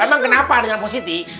emang kenapa dengan positi